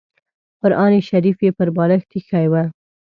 قران شریف یې پر بالښت اېښی و.